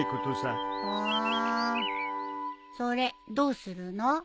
それどうするの？